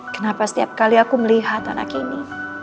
kenapa setiap kali aku melihat anak ini